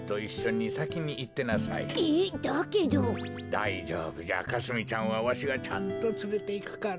だいじょうぶじゃかすみちゃんはわしがちゃんとつれていくから。